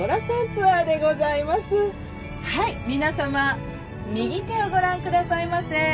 はい皆さま右手をご覧くださいませ。